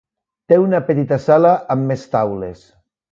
Té una petita sala amb més taules.